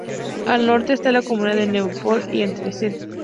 Al norte está la comunidad de Newport y entre St.